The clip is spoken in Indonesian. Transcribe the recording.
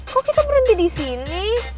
kok kita berhenti disini